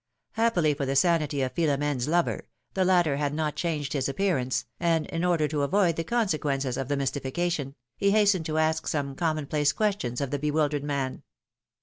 Happily for the sanity of Philomene's lover, the latter had not changed his appearance, and in order to avoid the consequences of the mystification, he hastened to ask some commonplace questions of the bewildered man.